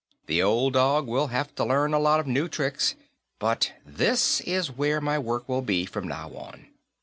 The old dog will have to learn a lot of new tricks, but this is where my work will be, from now on."